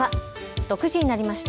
６時になりました。